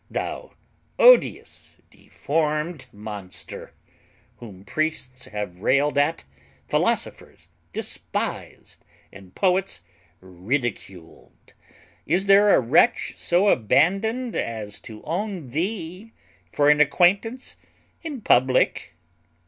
Thou odious, deformed monster! whom priests have railed at, philosophers despised, and poets ridiculed; is there a wretch so abandoned as to own thee for an acquaintance in public?